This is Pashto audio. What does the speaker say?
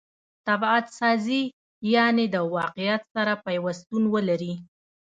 طبعت سازي؛ یعني د واقعیت سره پیوستون ولري.